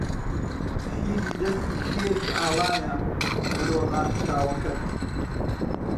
شیری دەستی شێری ئاڵایە برۆ ڕاکشاوەکەت